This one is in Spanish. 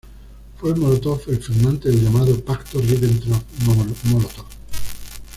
Fue Mólotov el firmante del llamado Pacto Ribbentrop-Mólotov.